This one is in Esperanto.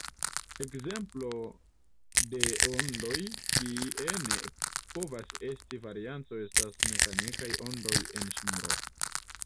Ekzemplo de ondoj kie ne povas esti varianco estas mekanikaj ondoj en ŝnuro.